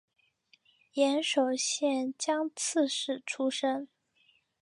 岩手县江刺市出身。